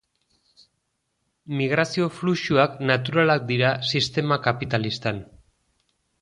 Migrazio fluxuak naturalak dira sistema kapitalistan.